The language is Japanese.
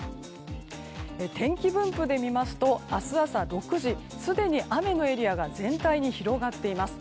天気分布で見ますと、明日朝６時すでに雨のエリアが全体に広がっています。